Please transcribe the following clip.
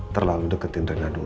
terlalu deketin rena dulu